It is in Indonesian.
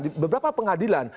di beberapa pengadilan